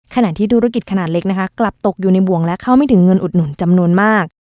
ขณะที่ธุรกิจขนาดเล็กนะคะกลับตกอยู่ในบวงและเข้าไม่ถึงเงินอุดหนุนจำนวนมาก